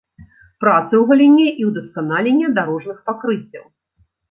Працы ў галіне і ўдасканалення дарожных пакрыццяў.